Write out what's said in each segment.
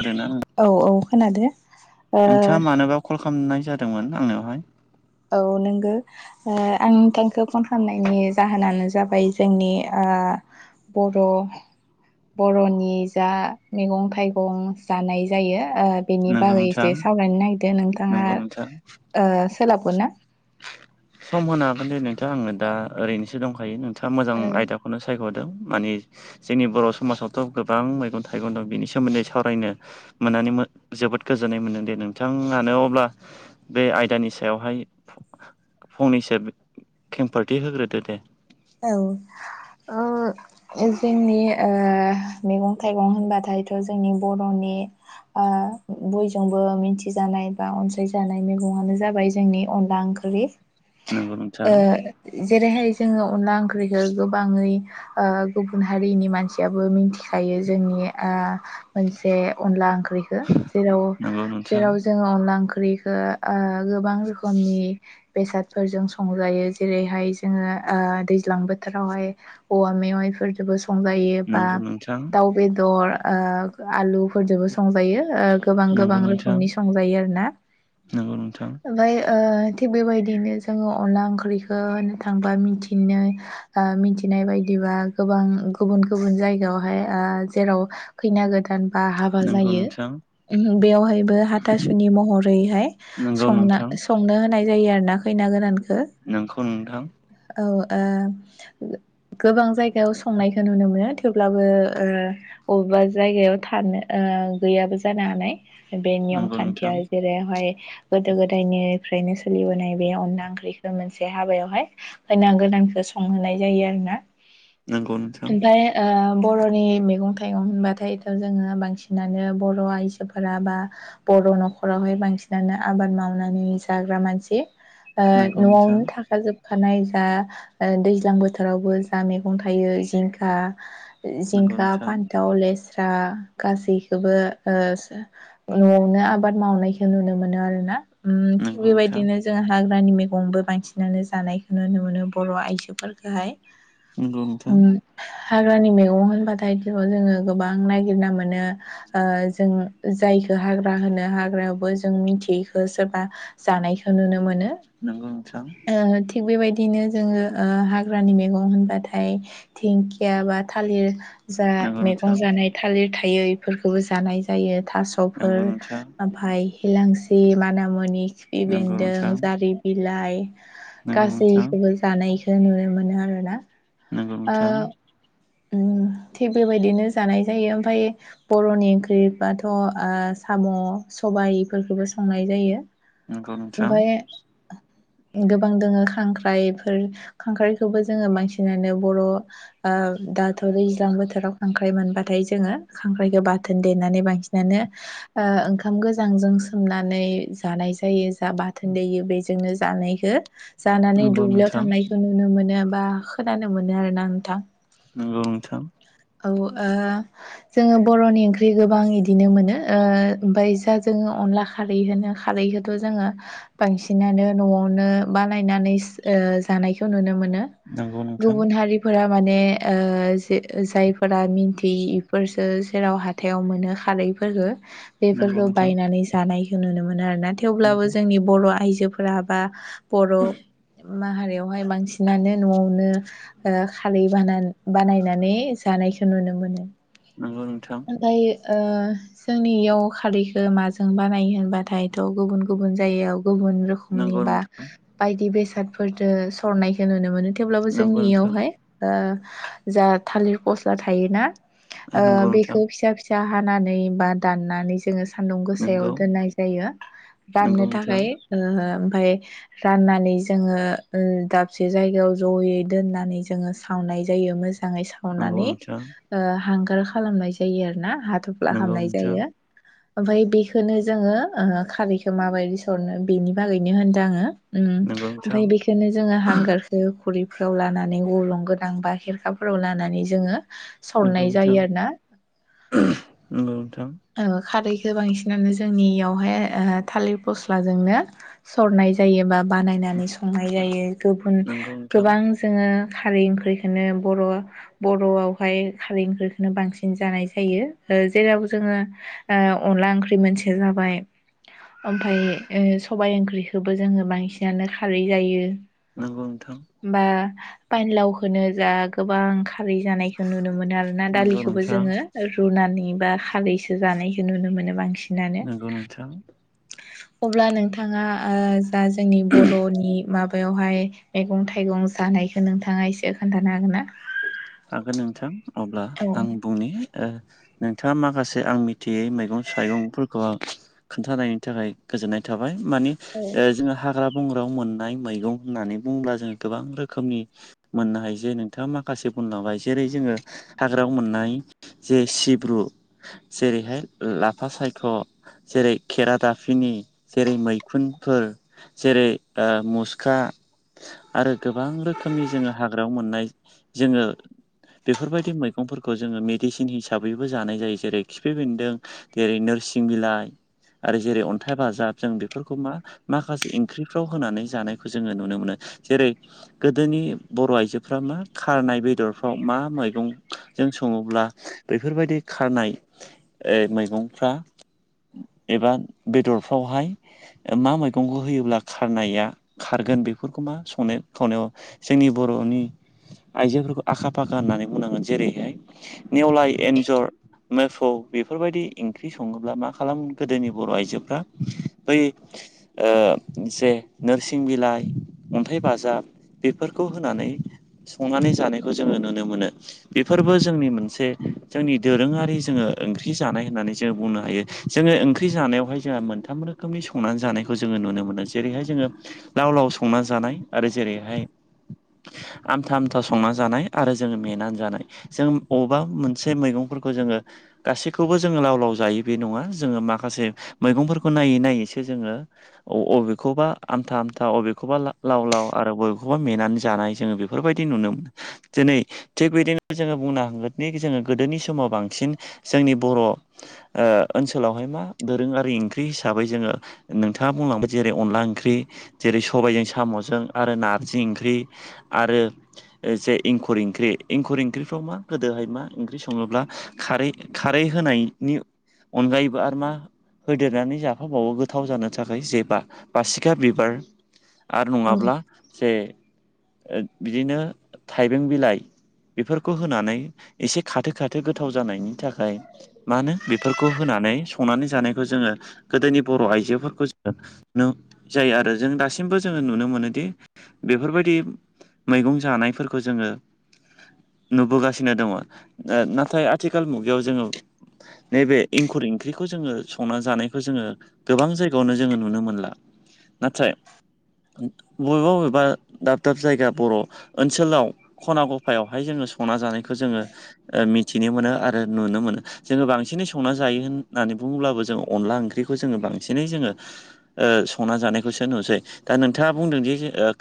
आरोना औ औ खोनादों नोंथाङा मानोबा कल खालामनाय जादोंमोन आंनिवहाय औ नोंगो आं नोंथांखौ फन खालामनायनि जाहोनानो जाबाय जोंनि बर' बर'नि जा मैगं थाइगं जानाय जायो बेनि नंगौ बागै नोंथां एसे सावरायनो नागिरदों नोंथाङा नंगौ नोंथां सोलाबगोन ना सम होनाबोन दे नोंथाङा आंनो दा ओरैनोसोंखायो नोंथाङा मोजां आयदाखौ बे खौनो सायख'दों माने जोंनि बर' समाजावथ' गोबां मैगं थाइगं दं बिनि सोमोन्दै सावरायनो मोननानै जोबोद गोजोननाय मोनदों दे नोंथाङानो अब्ला बे आयदानि सायावहाय फंनैसो खेंफोरथि होग्रोदो दे औ आ जोंनि मैगं थाइगं होनबाथायथ' जोंनि बर'नि बयजोंबो मिथिजानाय बा अनसायजानाय मैगंआानो जाबाय जोंनि अनला ओंख्रि नंगौ नोंथां जेरैहाय जोङो अनला ओंख्रिखौ गोबाङै गुबुन हारिनि मानसियाबो मिथिखायो जोंनि मोनसे अनला ओंख्रिखौ जेराव नंगौ नोंथां जेराव जोङो अनला ओंख्रिखौ गोबां रोखोमनि बेसादफोरजों संजायो जेरैहाय जोङो दैज्लां बोथोरावहाय औवा मेवाइफोरजोंबो संजायो बा नंगौ नोंथां दाउ बेदर आलुफोरजोंबो संजायो गोबां नंगौ गोबां नोंथां रोखोमनि संजायो आरोना नंगौ नोंथां ओमाय थिग बेबायदिनो जोङो अनला ओंख्रिखौ होनो थांबा मिथि बिनो मिथिनाय बायदिबा गोबां गुबुन गुबुन जायगायावहाय जेराव खैना गोदान बा हाबा नंगौ जायो नोंथां उम बेवहायबो हाथासुनि महरैहाय नंगौ संना नोंथां संनो होनाय जायो आरो ना खैना गोदानखो। नोंखौ नोंथां औ ओ [inaudible] गोबां जायगायाव संनायखो नुनो मोनो थेवब्लाबो अबेबा जायगायाव थानो ओ गैयाबो जानो हानाय। बे नियम नंगौ खान्थिया नोंथां जेरैहाय गोदो गोदायनिफ्रायनो सोलिबोनाय बे अनला ओंख्रिखौ मोनसे हाबायावहाय खैना गोदानखो संहोनाय जायो आरो ना। नंगौ नोंथां ओमफाय ओ बर'नि मैगं थाइगं होनबाथायथ' जोङो बांसिनानो बर' आइजोफोरा बा बर' न'खरावहाय बांसिनानो आबाद मावनानै जाग्रा मानसि। ओ नंगौ नोंथां न'आवनो थाखाजोबखानाय दा दैज्लां बोथोरावबो जा मैगं थायो जिंखा नंगौ जिंखा नोंथां फान्थाव लेस्रा गासैखोबो ओ न'आवनो आबाद मावनायखौ नुनो मोनो आरो ना। उम थिग नंगौ नोंथां बेबायदिनो जों हाग्रानि मैगंबो बांसिनानो जानाय नुनो मोनो बर' आइजोफोरखोहाय। नंगौ नोंथां। हाग्रानि मैगं होनबाथाय दिनाव जोङो गोबां नायगिरना मोनो। ओ जों जायखो हाग्रा होनो हाग्रायावबो जों मिथियैखो सोरबा जानायखो नुनो मोनो। ओ थिग बेबायदिनो जोङो ओ हाग्रानि मैगं होनबाथाय धिंकिया बा थालिर जा नंगौ मैगं नोंथां जानाय थालिर थायै इफोरखोबो जानाय जायो थास'फोर। नंगौ नोंथां ओमफाय हिलांसि माना मुनि खिफि नंगौ बेन्दों नोंथां जारि बिलाइ नंगौ नोंथां गासैखोबो जानायखो नुनो मोनो आरोना। नंगौ नोंथां थिग बेबायदिनो जानाय जायो ओमफाय बर'नि ओंख्रि बाथ' ओ साम' सबाय इफोरखोबो संनाय जायो। नंगौ नोंथां ओमफाय गोबां दोङो खांख्राइफोर खांख्राइखोबो जोङो बांसिनानो बर' ओ दाथ' दैज्लां बोथोराव खांख्राइ मोनबाथाय जोङो खांख्राइखो बाथोन देनानै बांसिनानो ओ ओंखाम गोजांजों सोमनानै जानाय जायो। जा बाथोन दैयो बेजोंनो जानायखो जानानै नंगौ दुब्लियाव नोंथां थांनायखौ नु नुनो मोनो बा खोनानो मोनो आरोना नोंथां। नोंगौ नोंथां। औ ओ जोङो बर'नि ओंख्रि गोबां इदिनो मोनो ओ ओमफाय जा जोङो अनला खारै होनो खारैखौथ' जोङो बांसिनानो न'आवनो बानायनानै ओ जानायखौ नुनो मोनो। नंगौ नोंथां गुबुन हारिफोरा माने जे-जाय फोरा मिन्थियि बेफोरसो जेराव हाथायाव मोनो खारैफोरफोरखो। नंगौ बेफोरखौ नोंथां बायनानै जानायखौ नुनो मोनो आरोना थेवब्लाबो जोंनि बर' आइजोफोरा बा बर' माहारियावहाय बांसिनानो न'आवनो ओ खारै बाना-बानायनानै जानायखौ नुनो मोनो। नंगौ नोंथां। ओमफाय ओ जोंनि इयाव खारैखौ माजों बानायो होनबाथायथ' गुबुन गुबुन जायगायाव गुबुन रोखोम नि नंगौ बा नोंथां बायदि बेसादफोरजों सरनायखौ नुनो मोनो थेवब्लाबो नंगौ नोंथां जोंनियावहाय जा थालिर फस्ला थायोना नंगौ नोंथां नंगौ बे नोंथां फिसा फिसा हानानै बा दाननानै जोङो सान्दुं गोसायाव नंगौ दोननाय जायो राननो नंगौ नोंथां थाखाय ओमफ्राय राननानै जोङो दाबसे जायगायाव जयै दोननानै जोङो सावनाय जायो मोजाङै साव नंगौ सावनानै नोंथां हांगार खालामनाय जायो आरो ना हाथ'फ्ला नंगौ खालामनाय जायो ओमफफ्राय बेखोननो जोङो खारैखौ माबायदि सरनो बेनि बागैनो होनदों आङो उम नोंथां नंगौ ओमफ्राय नोंथां बे बेखनो जोङो हांगारखौनो खुरिफ्राव लानानै गलं गोनां बा खेरखाफोराव लानानै जोङो नंगौ सरनाय नोंथां जायो आरोना नंगौ नोंथां खारैखौ बांसिनानो जोंनियावहाय थालिर फस्लाजोंनो सरनाय जायो बा बानायनानै संनाय जायो गुबुन नंगौ नोंथां गोबां जोङो खारै ओंख्रिखौनो बर' बर'आवहाय खारै ओंख्रिखौनो बांसिन न जानाय जायो जेराव जोङो अनला ओंख्रि मोनसे जाबाय ओमफफ्राय सबायाइ ओंख्रिखौबो जोङो बांसिनानो खारै जायो नगौ नोंथां बा पाइानलावखौो जा गोबां खारै जानायखौ नुनो मोनो आरोना नंगौ दालिखौ नोंथां जोङो रुनानै बा खारैजों जानायखौ नुनो मोनो बांसिनानो नंगौ नोंथां अब्ला नोंथाङा जा जोंनि बर'नि माबायावहाय मैगं थाइगं जानायखौ नोंथाङा एसे खोन्थानो हागोन ना? हागोन नोंथां अब्ला औ आं बुंनि नोंथाङा माखासे आं मिथियै मैगं थाइगंफोरखौ आ खोन्थानायनि थाखाय गोजोननाय थाबाय माने औ जोङो हाग्रा बंग्रायाव मोननाय मैगं होननानै बुंङोब्ला जोंङो गोबां रोखोमनि मोननो हायो जे नोंथाङा माखासे बुंलांबाय जेरै जोङो हाग्रायाव मोननाय जे सिब्रु जेरैहाय लाफा सायख' जेरै खेरादाफिनि जेरै मैखुनफोर जेरै मुसखा आरो गोबां रोखोमनि जोङो हाग्रायाव मोननाय जोङो बेफोरबायदि मैगंफोरखौ जोङो मेडिसिन हिसाबैबो जानाय जायो जेरै खिफि बेन्दों जेरै नोरसिं बिलाइ आरो जेरै अन्थाइ बाजाब जों बेफोरखौ मा माखासे ओंख्रिफ्राव होनानै जानायखौ जोङो नुनो मोनो जेरै गोदोनि बर' आइजोफ्रा मा खारनाय बेदरफ्राव मा मैगंजों सङोब्ला बेफोरबायदि खारनाय मैगंफ्रा एबा बेदरफ्रावहाय मा मैगंखौ होयोब्ला खारनाया खारगोन बेफोरखौ मा संनो खावनायाव जोंनि बर'नि आइजोफोरखौ आखा फाखा होननानै बुंनांगोन जेरैहाय नेवलाय एन्जर मेसौ बेफोरबायदि ओंख्रि सङोब्ला मा खालाम गोदोनि बर' आइजोफ्रा बै जे नोरसिं बिलाइ अन्थाइ बाजाब बेफोरखौ होनानै संनानै जानायखौ जोङो नुनो मोनो। बेफोरबो जोंनि मोनसे जोंनि दोरोङारि जोङो ओंख्रि जानाय होननानै जोंङो बुंनो हायो जोङो ओंख्रि जानायावहाय जोंहा मोनथाम रोखोमनि संनानै जानायखौ जोङो नुनो मोनो जेरैहाय जोङो लाव लाव संना जानाय आरो जेरैहाय आमथा आमथा संनानै जानाय आरो जोङो मेनानै जानाय जों अबेबा मोनसे मैगंफोरखौ जोङो गासैखौबो जोङो लाव लाव जायो बे नङा जोङो माखासे मैगंफोरखौ नायै नायैसो जोङो अबेखौबा आमथा आमथा अबेखौबा लाव लाव आरो अबेखौबा मेनानै जानाय जोङो बे बेफोरबायदि नुनो मोनो दिरै थिग बिदिनो जोङो बुंनो हांगोनदि जोङो गोदोनि समाव बांसिन जोंनि बर' ओनसोलावहाय मा दोरोङारि ओंख्रि हिसाबै जोङो नोंथाङा बुंलांबाय जेरै अनला ओंख्रि जेरै सबायजों सामजों आरो नारजि ओंख्रि आरो जे इंखुर ओंख्रि एंखुर ओंख्रिफ्राव मा गोदोहाय मा ओंख्रि सङोब्ला खारै खारै होनायनि अनगायैबो आरो मा होदेरनानै जाफाबावो गोथाव जानो थाखाय जे बा बासिखा बिबार आरो औ नङाब्ला जे बिदिनो थाइबें बिलाइ बेफोरखौ होनानै एसे खाथो खाथो गोथाव जानायनि थाखाय मा होनो बेफोरखौ होनानै संनानै जानायखौ जोङो गोदोनि बर' आइजोफोरखौ जोङो नों जायो आरो जों दासिमबो जोङो नुनो मोनोदि बेफोर बायदि मैगं जानायफोरखौ जोङो नुबोगासिनो दङ नाथाय आथिखाल मुगायाव जोङो नैबे इंखुर ओंख्रिखौ जोङो संना जानायखौ जोङो गोबां जायगायावनो जोङो नुनो मोनला नाथाय बबेबा बबेबा दाब दाब जायगा बर' ओनसोलाव खना गफायावहाय जोङो संना जानायखौ जोङो ओ मिथिनो मोनो आरो नुनो मोनो जोङो बांसिनै संना जायो होननानै बुङोब्लाबो जोङो अनला ओंख्रिखौ जोङो बांसिनै जोङो संना जानायखौसो नुसै दा नोंथाङा बुंदोंदि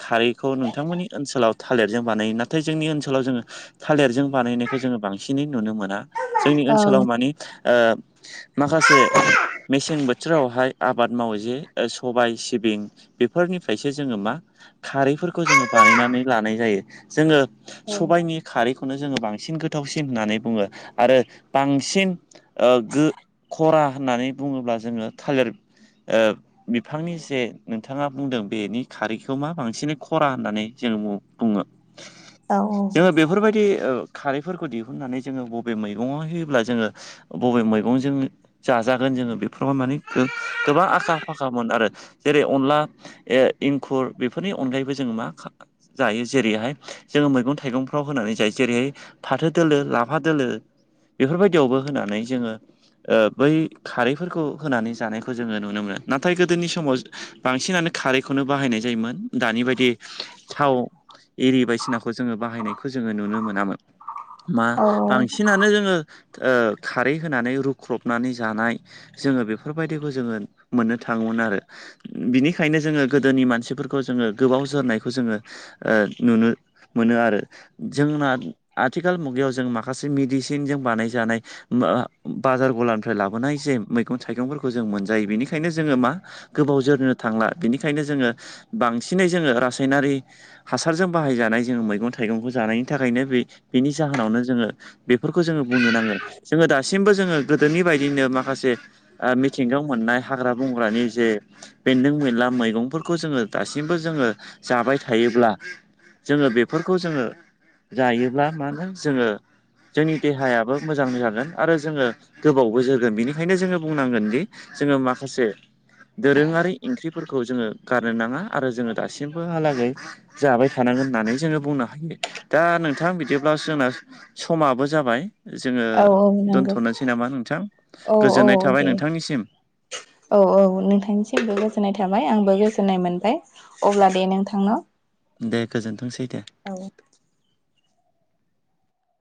खारैखौ नोंथांमोननि ओनसोलाव थालिर जों बानायो नाथाय जोंनि ओनसोलाव जोङो थालिरजों बानायनायखौ जोङो बांसिनै नुनो मोना जोंनि ओनसोलाव माने ओ माखासे मेसें बो बोथोरावहाय आबाद मावो जे सबाय सिबिं बेफोरनिफ्रायसो जोङो मा खारैफोरखौ जोङो बानायनानै लानाय जायो जोङो सबाइनि खारैखौनो जोङो बांसिन गोथावसिन होननानै बुङो आरो बांसिन ओ गो खरा होननानै बुङोब्ला जोङो थालेर ओ बिफांनि जे नोंथाङा बुंदों बेनि खारैखौ मा बांसिनै खरा होननानै जों बुङो औ जोङो बेफोरबायदि खारैफोरखौ दिहुननानै जोङो बबे मैगङाव होयोब्ला जोङो बबे मैगंजों जाजागोन जोङो बेफोराव माने गोबां आखा फाखामोन आरो जेरै अनला ए इंखुर बेफोरनि अनगायैबो जों मा जायो जेरैहाय जोङो मैगं थाइगंफ्राव होनानै जायो जेरैहाय फाथो दोलो लाफा दोलो बेफोरबायदियावबो होनानै जोङो ओ बै खारैफोरखौ होनानै जानायखौ जोङो नुनो मोनो नाथाय गोदोनि समाव बांसिनानो खारैखौनो बाहायनाय जायोमोन दानि बायदि थाव एरि बायदिसिनाखौ जोङो बाहायनायखौ जोङो नुनो मोनामोन मा औ बांसिनानो जोङो ओ खारै होनानै रुख्रबनानै जानाय जोङो बेफोरबायदिखौ जोङो मोननो थाङोमोन आरो बिनिखायनो जोङो गोदोनि मानसिफोरखौ जोङो गोबाव जोरनायखौ जोङो ओ नुनो मोनो आरो जोंना आथिखाल मुगायाव जों माखासे मेडिसिनजों बानायजानाय मा बाजार गलानिफ्राय लाबोनाय जे मैगं थाइगंफोरखौ जों मोनजायो बेनिखायनो जोङो मा गोबाव जोरनो थांला बिनिखायनो जोङो बांसिनै जोङो रासायनारि हासारजों बाहायजानाय जों मैगं थाइगंखौ जानायनि थाखायनो बे बेनि जाहोनावनो जोङो बेफोरखौ जोङो बुंनो नांगोन जोङो दासिमबो जोङो गोदोनि बायदिनो माखासे ओ मिथिंगायाव मोननाय हाग्रा बंग्रानि जे बेन्दों बेनला मैगंफोरखौ जोङो दासिमबो जोङो जाबाय था थायोब्ला जोङो बेफोरखौ जोङो जायोब्ला मा होन जोङो जोंनि देहायाबो मोजां जागोन आरो जोङो गोबावबो जोरगोन बिनिखायनो जोङो बुंनांगोन दि जोङो माखासे दोरोङारि ओंख्रिफोरखौ जोङो गारनो नाङा आरो जोङो दासिमबोहालागै जाबाय थानांगोन होननानै जोङो बुंनो हायो दा नोंथां बिदिब्ला जोंना समाबो जाबाय जोङो औ औ नंगौ दोन्थ'नोसै नामा नोंथां औ औ गोजोननाय थाबाय दे नोंथांनिसिम। औ औ नोंथांनिसिमबो गोजोननाय थाबाय आंबो गोजोननाय मोनबाय। अब्ला दे नोंथां ना। दे गोजोनथोंसै दे। औ।